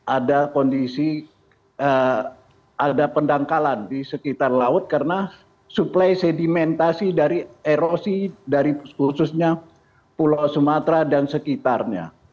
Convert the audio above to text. ada kondisi ada pendangkalan di sekitar laut karena suplai sedimentasi dari erosi khususnya pulau sumatera dan sekitarnya